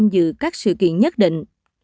giữ các sự kiện nhất định